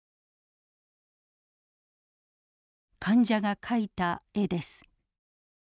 患者が描いた絵です。